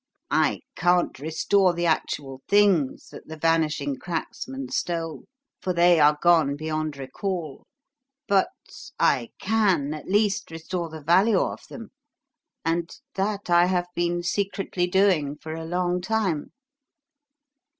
I can't restore the actual things that the 'vanishing cracksman' stole; for they are gone beyond recall, but I can, at least, restore the value of them, and that I have been secretly doing for a long time."